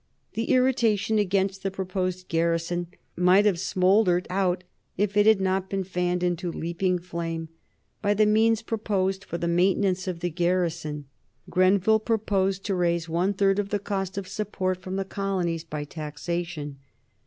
The irritation against the proposed garrison might have smouldered out if it had not been fanned into a leaping flame by the means proposed for the maintenance of the garrison. Grenville proposed to raise one third of the cost of support from the colonies by taxation.